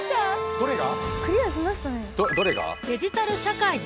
どれが？